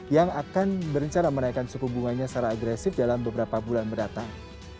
yang akan berencana menaikkan suku bunganya secara agresif dalam beberapa bulan mendatang